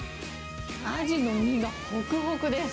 アジの身がほくほくです。